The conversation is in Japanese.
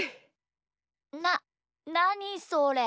ななにそれ？